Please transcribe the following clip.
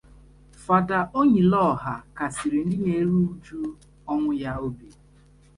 'Fr.' Ọnyịlọha kasìrì ndị na-eru uju ọnwụ ya obi